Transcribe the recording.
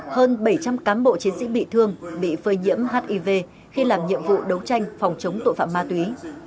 hơn bảy trăm linh cán bộ chiến sĩ bị thương bị phơi nhiễm hiv khi làm nhiệm vụ đấu tranh phòng chống tội phạm ma túy